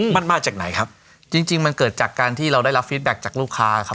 มั่นมากจากไหนครับจริงมันเกิดจากการที่เราได้รับจากลูกค้าครับ